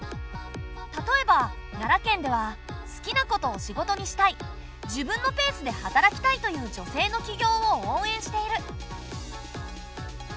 例えば奈良県では好きなことを仕事にしたい自分のペースで働きたいという女性の起業を応援している。